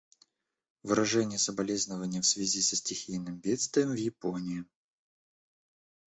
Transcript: Выражение соболезнования в связи со стихийным бедствием в Японии.